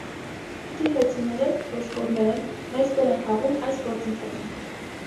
Քթի խեցիները (ոսկորները) մեծ դեր են խաղում այս գործընթացում։